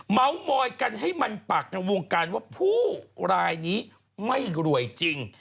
เมาส์มอยกันให้มันปากทางวงการว่าผู้รายนี้ไม่รวยจริง